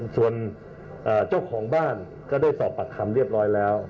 ส่วนเจ้าของบ้านก็ได้สอบปากคำเรียบร้อยแล้ว